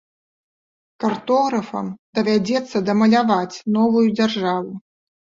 Картографам давядзецца дамаляваць новую дзяржаву.